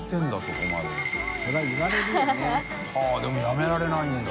呂でもやめられないんだ。